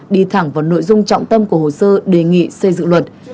đi thẳng vào nội dung trọng tâm của hồ sơ đề nghị xây dựng luật